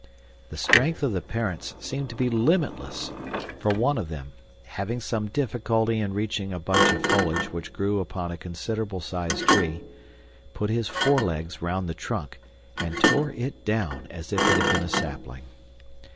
The strength of the parents seemed to be limitless, for one of them, having some difficulty in reaching a bunch of foliage which grew upon a considerable sized tree, put his fore legs round the trunk and tore it down as if it had been a sapling.